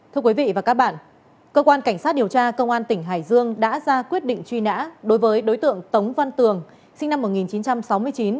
thưa quý vị và các bạn cơ quan cảnh sát điều tra công an tỉnh hải dương đã ra quyết định truy nã đối với đối tượng tống văn tường sinh năm một nghìn chín trăm sáu mươi chín